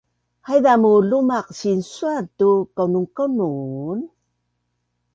Haiza muu lumaq sinsuaz tu kaununkaunun?